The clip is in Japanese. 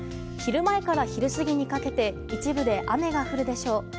昼前から昼過ぎにかけて一部で雨が降るでしょう。